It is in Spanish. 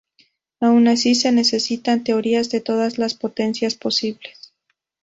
Aun así se necesitan teorías de todas las potencias posibles.